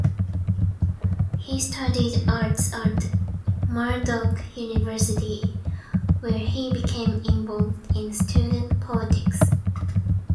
He studied arts at Murdoch University, where he became involved in student politics.